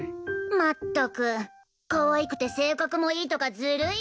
まったくかわいくて性格もいいとかずるいよな！